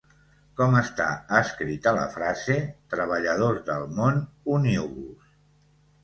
Com està escrita la frase "treballadors del món, uniu-vos!"?